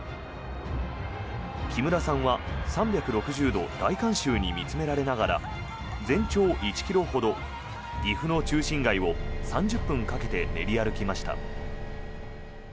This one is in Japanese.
木村さんは３６０度大観衆に見つめられながら全長１ｋｍほど、岐阜の中心街を３０分かけて練り歩きました。